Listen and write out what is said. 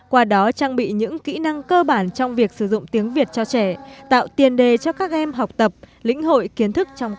qua đó trang bị những kỹ năng cơ bản trong việc sử dụng tiếng việt cho trẻ tạo tiền đề cho các em học tập lĩnh hội kiến thức trong học